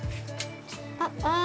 あっあぁ。